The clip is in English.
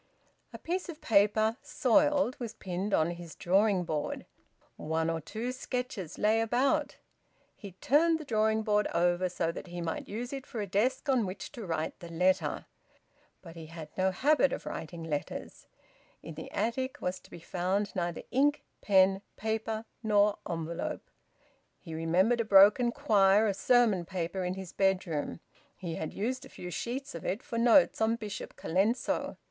A piece of paper, soiled, was pinned on his drawing board; one or two sketches lay about. He turned the drawing board over, so that he might use it for a desk on which to write the letter. But he had no habit of writing letters. In the attic was to be found neither ink, pen, paper, nor envelope. He remembered a broken quire of sermon paper in his bedroom; he had used a few sheets of it for notes on Bishop Colenso.